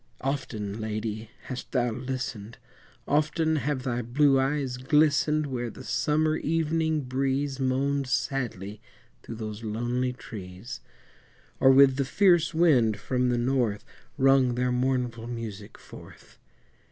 Often, Lady, hast thou listened, Often have thy blue eyes glistened, Where the summer evening breeze Moaned sadly through those lonely trees, Or with the fierce wind from the north Wrung their mournful music forth.